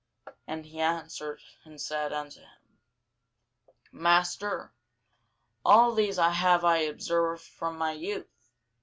And he answered and said unto him, Master, all these have I observed from my youth.